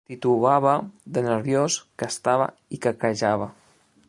Titubava de nerviós que estava i quequejava.